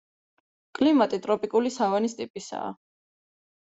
კლიმატი ტროპიკული სავანის ტიპისაა.